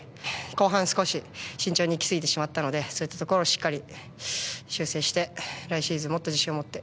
後半少し慎重に行きすぎてしまったのでそういったところをしっかり修正して来シーズンもっと自信を持って。